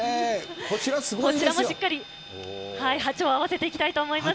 こちらもしっかり波長を合わせていきたいと思います。